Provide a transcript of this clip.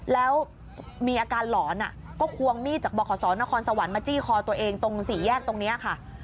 แล้วมีอาการหลอนก็ควงมีดจากบขศนครสวรรค์มาจี้คอตัวเองตรงสี่แยกตรงนี้ค่ะ